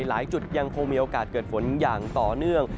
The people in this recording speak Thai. หลายจุดยังคงมีโอกาสเกิดฝนอย่างต่อเนื่อง